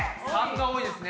③が多いですね。